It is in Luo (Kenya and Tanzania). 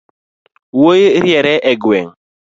Wuoi riere e gweng’